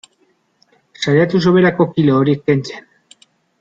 Saiatu soberako kilo horiek kentzen.